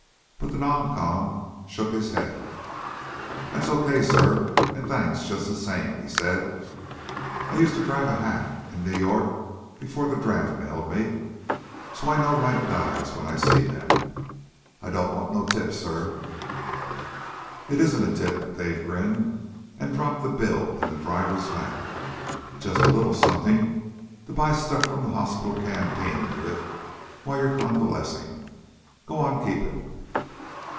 But the non com shook his head. "That's okay, sir, and thanks just the same," he said. "I used to drive a hack in New York before the draft nailed me. So I know right guys when I see them. I don't want no tip, sir." "It isn't a tip," Dave grinned, and dropped the bill in the driver's lap. "Just a little something to buy stuff from the hospital canteen with while you're convalescing. Go on; keep it."